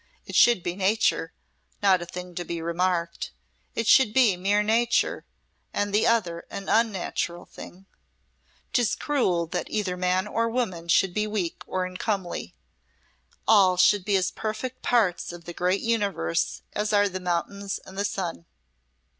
It should be nature not a thing to be remarked; it should be mere nature and the other an unnatural thing. 'Tis cruel that either man or woman should be weak or uncomely. All should be as perfect parts of the great universe as are the mountains and the sun."